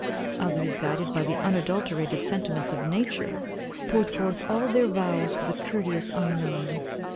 Others, guided by the unadulterated sentiments of nature, poured forth all their vows for the courteous unknown.